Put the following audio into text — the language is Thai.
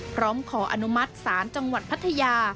ขออนุมัติศาลจังหวัดพัทยา